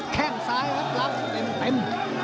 แค่งซ้ายรับเต็ม